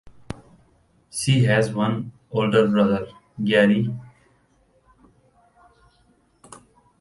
She has one older brother, Gary.